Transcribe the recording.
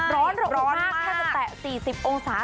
ร้อนมากแทบจะแตะ๔๐องศา